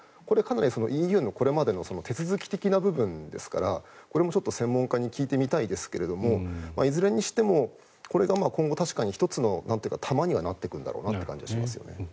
これはかなりＥＵのこれまでの手続き的な部分ですからこれも専門家に聞いてみたいですがいずれにしてもこれが今後、確かに１つの球にはなってくる感じがしますね。